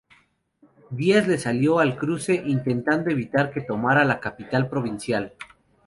Díaz le salió al cruce, intentando evitar que tomara la capital provincial.